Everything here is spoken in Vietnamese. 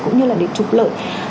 cũng như là để trục lợi